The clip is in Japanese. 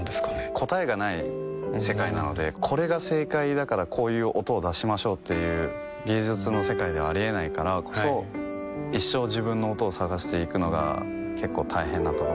答えがない世界なのでこれが正解だからこういう音を出しましょうという芸術の世界ではありえないからこそはい一生自分の音を探していくのが結構大変なところ